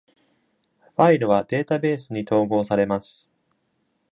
ファイルはデータベースに統合されます。